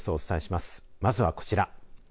まずはこちら。